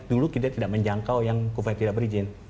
dulu kita tidak menjangkau yang supaya tidak berizin